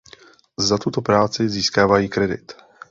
Za tuto práci získávají kredit.